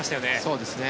そうですね。